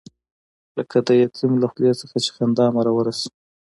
لکه د یتیم له خولې نه چې خندا مروره شي.